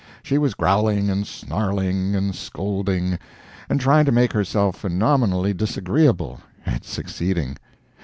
She was growling and snarling and scolding, and trying to make herself phenomenally disagreeable; and succeeding.